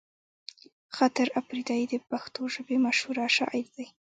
خاطر اپريدی د پښتو ژبې مشهوره شاعر دی